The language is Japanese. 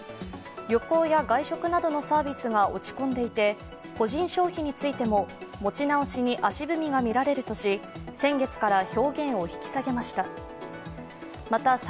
旅行や外食などのサービスが落ち込んでいて個人消費についても持ち直しに足踏みがみられるとし先月から表現を引き下げました。